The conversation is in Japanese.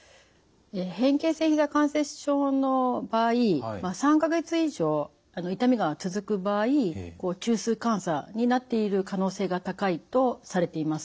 変形性ひざ関節症の場合３か月以上痛みが続く場合中枢感作になっている可能性が高いとされています。